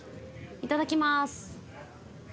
いただきます。